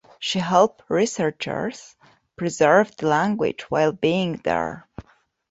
She helped researchers preserve the language while being there.